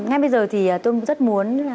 ngay bây giờ thì tôi rất muốn